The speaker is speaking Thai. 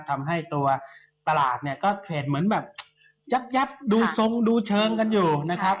ทำให้ตัวตลาดเนี่ยก็เทรดเหมือนแบบยับดูทรงดูเชิงกันอยู่นะครับ